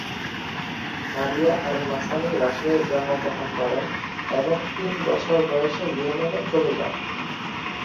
মারিয়া Al-Masani রাশিয়ায় জন্মগ্রহণ করেন এবং তিন বছর বয়সে ইয়েমেনে চলে যান।